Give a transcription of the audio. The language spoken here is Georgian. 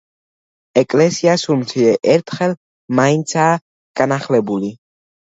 ეკლესია სულ მცირე ერთხელ მაინცაა განახლებული.